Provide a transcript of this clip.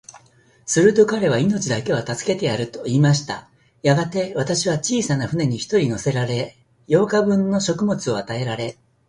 すると彼は、命だけは助けてやる、と言いました。やがて、私は小さな舟に一人乗せられ、八日分の食物を与えられ、